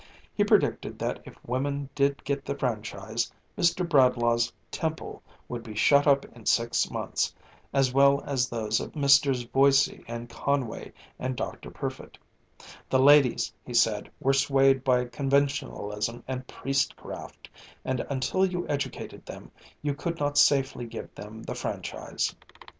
He predicted that if women did get the franchise, Mr. Bradlaugh's "Temple" would be shut up in six months, as well as those of Messrs. Voysey and Conway and Dr. Perfitt. The ladies, he said, were swayed by Conventionalism and Priestcraft, and until you educated them, you could not safely give them the franchise.